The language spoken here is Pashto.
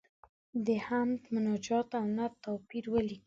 د حمد، مناجات او نعت توپیر ولیکئ.